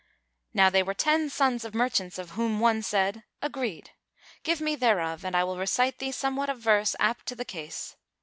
Now they were ten sons of merchants of whom one said, "Agreed: give me thereof and I will recite thee somewhat of verse apt to the case."